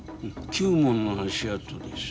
９文の足跡です。